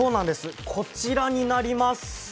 こちらになります。